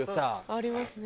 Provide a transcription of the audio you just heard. ありますね。